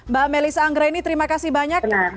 mbak melisa anggreni terima kasih banyak